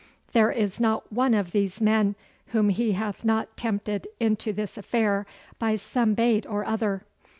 There is not one of these men whom he hath not tempted into this affair by some bait or other.